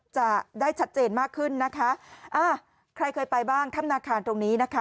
จะได้ชัดเจนมากขึ้นนะคะอ่าใครเคยไปบ้างถ้ำนาคารตรงนี้นะคะ